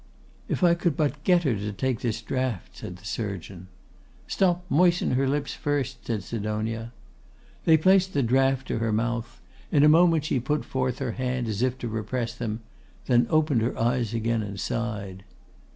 'If I could but get her to take this draught,' said the surgeon. 'Stop! moisten her lips first,' said Sidonia. They placed the draught to her mouth; in a moment she put forth her hand as if to repress them, then opened her eyes again, and sighed.